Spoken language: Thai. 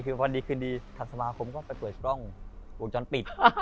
คือวันดีสันสมาคมก็ไปเปิดกล้องวงจรปิด